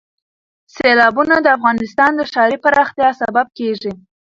سیلابونه د افغانستان د ښاري پراختیا سبب کېږي.